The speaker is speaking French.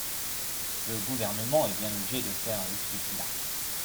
Le Gouvernement est bien obligé de faire avec ce qu’il a.